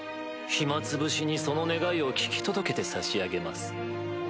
暇つぶしにその願いを聞き届けてさしあげます。